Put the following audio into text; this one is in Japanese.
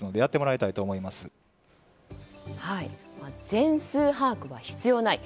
全数把握は必要ない。